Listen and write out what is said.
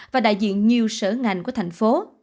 và đại diện nhiều sở ngành của thành phố